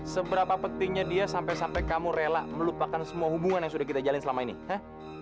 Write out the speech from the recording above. seberapa pentingnya dia sampai sampai kamu rela melupakan semua hubungan yang sudah kita jalan selama ini eh